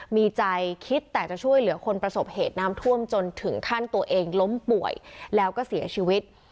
มีใจคิดแต่จะช่วยเหลือคนประสบเหตุน้ำท่วมจนถึงขั้นตัวเองล้มป่วยแล้วก็เสียชีวิต